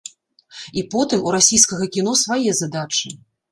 І потым, у расійскага кіно свае задачы.